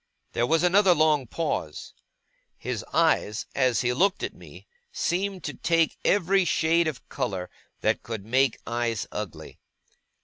There was another long pause. His eyes, as he looked at me, seemed to take every shade of colour that could make eyes ugly.